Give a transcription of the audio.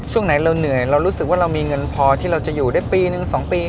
ช่วงไหนเราเหนื่อยเรารู้สึกว่าเรามีเงินพอที่เราจะอยู่ได้ปีนึง๒ปี